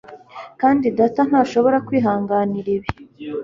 Kandi data ntashobora kwihanganira ibi.